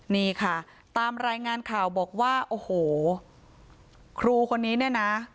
นี่ค่ะตามรายงานข่าวบอกว่าโอ้โหครูคนนี้เนี่ยนะ